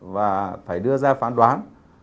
và phải đưa ra phán đoán